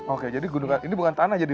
oke jadi ini bukan tanah jadi